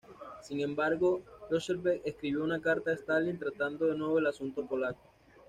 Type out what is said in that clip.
Sin embargo, Roosevelt escribió una carta a Stalin tratando de nuevo el asunto polaco.